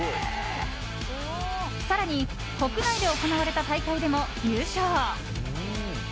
更に、国内で行われた大会でも優勝。